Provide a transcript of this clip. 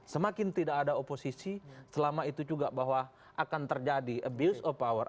semakin tidak ada oposisi selama itu juga bahwa akan terjadi abuse of power